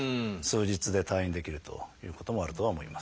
数日で退院できるということもあるとは思います。